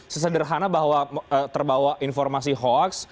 sesederhana bahwa terbawa informasi hoax